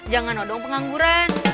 jangan nodong pengangguran